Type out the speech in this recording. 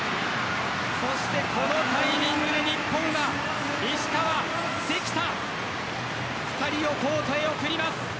そして、このタイミングで日本は、石川、関田２人をコートへ送ります。